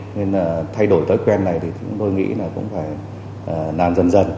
nên là thay đổi thói quen này thì chúng tôi nghĩ là cũng phải làm dần dần